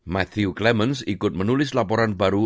matthew clemens ikut menulis laporan baru